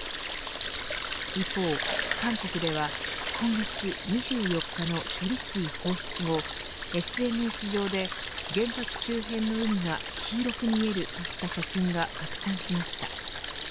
一方、韓国では今月２４日の処理水放出後ＳＮＳ上で、原発周辺の海が黄色く見えるとした写真が拡散しました。